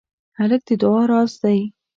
هلک د دعا راز دی.